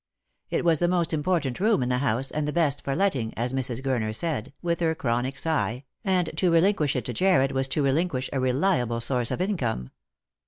It was the most important room in the house and the best for letting, as Mrs. Gurner said, with her chronic sigh, and to relinquish it to Jarred was to relinquish a reliable source of income.